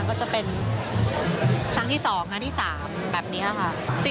ก็จะเป็นครั้งที่๒ครั้งที่๓แบบนี้ค่ะ